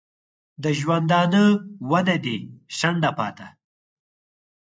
د ژوندانه ونه دي شنډه پاته